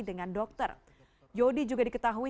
dengan dokter yodi juga diketahui